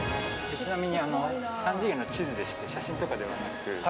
ちなみに３次元の地図でして、写真とかではなく。